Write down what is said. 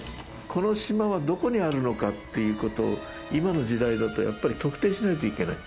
この島はどこにあるのかっていう事を今の時代だとやっぱり特定しないといけない。